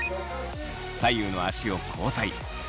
左右の足を交代。